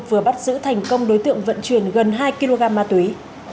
vừa bắt giữ thành công đối tượng vận chuyển gần hai kg ma túy